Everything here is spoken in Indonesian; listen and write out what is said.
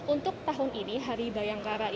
untuk tahun ini hari bayangkara